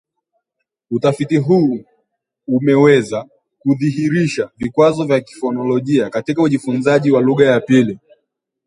utafiti huu umeweza kudhihirisha vikwazo vya kifonolojia katika ujifunzaji wa lugha ya pili